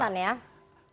jadi ada juga kesannya ya